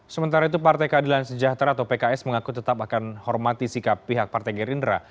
sementara itu partai keadilan sejahtera atau pks mengaku tetap akan hormati sikap pihak partai gerindra